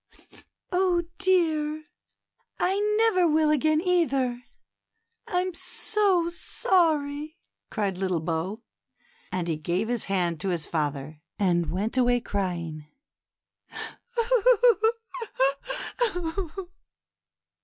Oh, dear ! I never will again, either ; I'm so sorry," cried little Bo ; and he gave his hand to his father, and went away crying.